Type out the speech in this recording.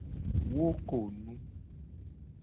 Wo ko nu.